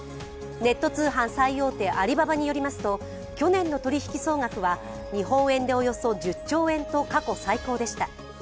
ネット通販最大手アリババによりますと、去年の取引総額は日本円でおよそ１０兆円と過去最高でした。